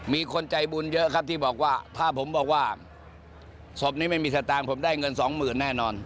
มีคนใจบุญเยอะครับที่บอกว่าถ้าผมบอกว่าศพนี้ไม่มีสตางค์ผมได้เงินสองหมื่นแน่นอน